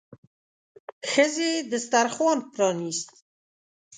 ښځې دسترخوان پرانيست.